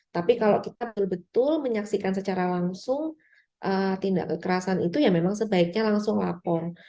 tapi kalau kita betul betul menyaksikan secara langsung tindak kekerasan itu ya memang sebaiknya langsung lapor